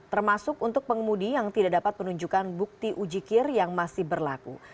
termasuk untuk pengemudi yang tidak dapat menunjukkan bukti uji kir yang masih berlaku